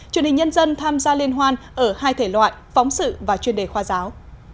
truyền hình nhân dân tham gia liên hoan ở hai thể loại phóng sự và chuyên đề khoa giáo